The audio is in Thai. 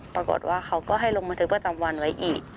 ปรากฏว่าเขาก็ให้ลงบันทึกประจำวันไว้อีก